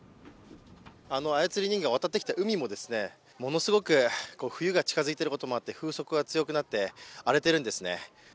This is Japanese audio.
あの操り人形が渡ってきた海も物すごく冬が近づいていることもあって風速が強くなって荒れているんですね。